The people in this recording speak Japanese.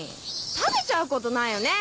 食べちゃうことないよね